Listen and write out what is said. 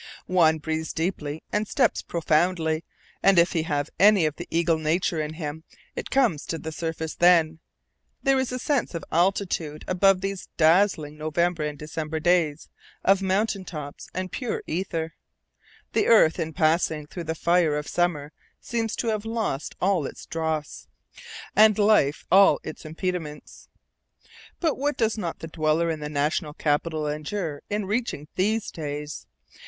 One breathes deeply and steps proudly, and if he have any of the eagle nature in him, it comes to the surface then. There is a sense of altitude about these dazzling November and December days, of mountain tops and pure ether. The earth in passing through the fire of summer seems to have lost all its dross, and life all its impediments. But what does not the dweller in the National Capital endure in reaching these days!